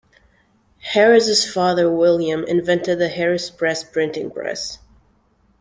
Harris's father William invented the Harris Press printing press.